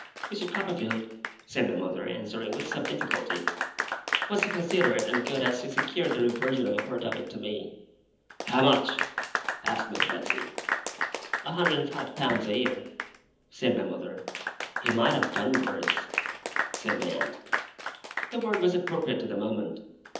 'Mr. Copperfield,' said my mother, answering with some difficulty, 'was so considerate and good as to secure the reversion of a part of it to me.' 'How much?' asked Miss Betsey. 'A hundred and five pounds a year,' said my mother. 'He might have done worse,' said my aunt. The word was appropriate to the moment.